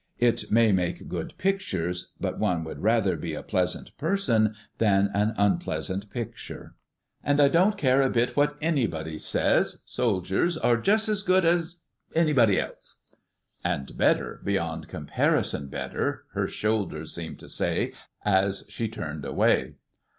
It may make good pictures, but one would rather be a pleasant person than an unpleasant picture. And I don't care a bit what anybody says; soldiers are just as good as anybody else." And better, beyond comparison better, her shoulders seemed to say as she turned away.